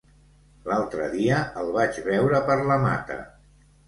L'altre dia el vaig veure per la Mata.